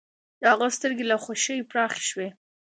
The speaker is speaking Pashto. د هغه سترګې له خوښۍ پراخې شوې